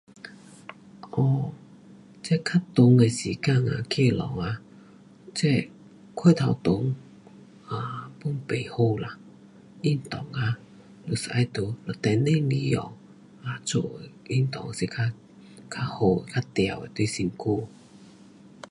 um 这较长的时间啊，去运动啊，这过头长，啊，pun 不好啦，运动啊，可以要在一小时以下，咱做的运动就是较好较对，对身躯。